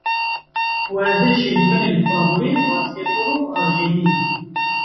Werzişên min ên favorî basketbol û avjenî ne.